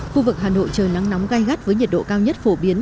khu vực hà nội trời nắng nóng gai gắt với nhiệt độ cao nhất phổ biến